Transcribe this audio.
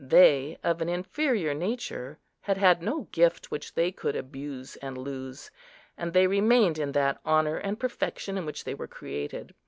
They, of an inferior nature, had had no gift which they could abuse and lose; and they remained in that honour and perfection in which they were created.